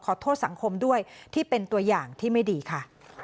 ขอโทษสังคมด้วยที่เป็นตัวอย่างที่ไม่ดีค่ะ